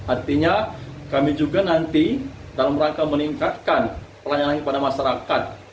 artinya kami juga nanti dalam rangka meningkatkan pelayanan kepada masyarakat